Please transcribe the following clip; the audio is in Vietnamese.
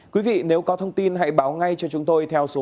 quý vị nếu có thông tin hãy báo ngay cho chúng tôi theo số liệu